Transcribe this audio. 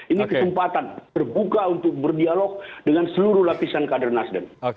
ini kesempatan terbuka untuk berdialog dengan seluruh lapisan kader nasdem